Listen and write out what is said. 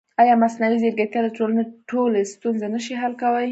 ایا مصنوعي ځیرکتیا د ټولنې ټولې ستونزې نه شي حل کولی؟